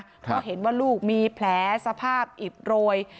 เพราะเห็นว่าลูกมีแผลสภาพอิดโรย